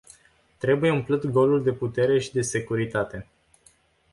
Trebuie umplut golul de putere și de securitate.